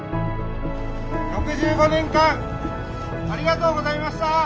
６５年間ありがとうございました！